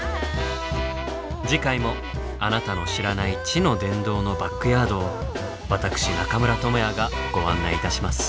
次回もあなたの知らない「知の殿堂」のバックヤードを私中村倫也がご案内いたします。